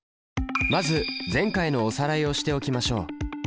まず前回のおさらいをしておきましょう。